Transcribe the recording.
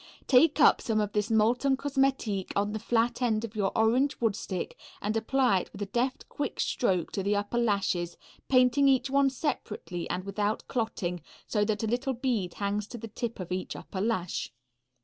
Take up some of this molten cosmetique on the flat end of your orange wood stick and apply it with a deft quick stroke to the upper lashes, painting each one separately and without clotting, so that a little bead hangs to the tip of each upper lash.